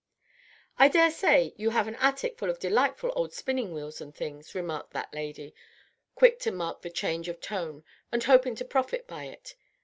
"I dare say you have an attic full of delightful old spinning wheels and things," remarked that lady, quick to mark the change of tone and hoping to profit by it.